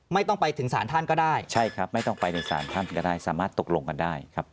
ไม่ต้องไปถึงสารท่านก็ได้ใช่ครับไม่ต้องไปในศาลท่านก็ได้สามารถตกลงกันได้ครับ